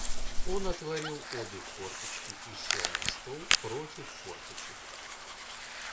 Он отворил обе форточки и сел на стол против форточек.